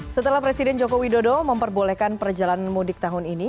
setelah presiden joko widodo memperbolehkan perjalanan mudik tahun ini